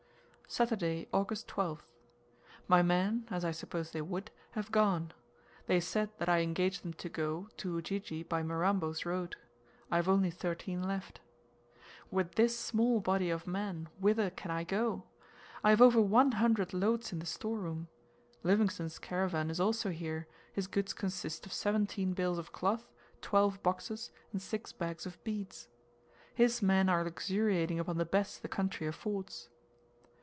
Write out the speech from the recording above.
Saturday, August 12th. My men, as I supposed they would, have gone; they said that I engaged them to go, to Ujiji by Mirambo's road. I have only thirteen left. With this small body of men, whither can I go? I have over one hundred loads in the storeroom. Livingstone's caravan is also here; his goods consist of seventeen bales of cloth, twelve boxes, and six bags of beads. His men are luxuriating upon the best the country affords.